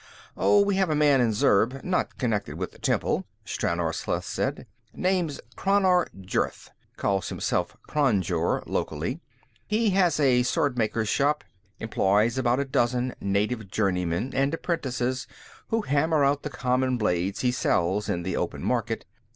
"Oh, we have a man in Zurb, not connected with the temple," Stranor Sleth said. "Name's Crannar Jurth; calls himself Kranjur, locally. He has a swordmaker's shop, employs about a dozen native journeymen and apprentices who hammer out the common blades he sells in the open market.